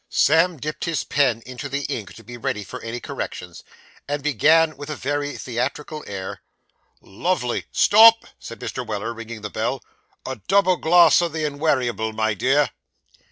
Sam dipped his pen into the ink to be ready for any corrections, and began with a very theatrical air '"Lovely "' 'Stop,' said Mr. Weller, ringing the bell. 'A double glass o' the inwariable, my dear.